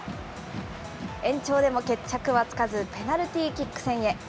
延長でも決着はつかず、ペナルティーキック戦へ。